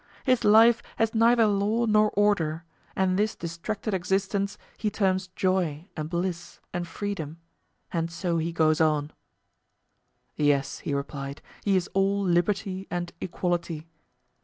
His life has neither law nor order; and this distracted existence he terms joy and bliss and freedom; and so he goes on. Yes, he replied, he is all liberty and equality.